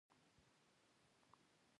پخو ټکو ته پام وي